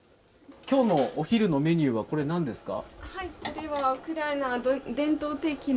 きょうのお昼のメニューはなんですか。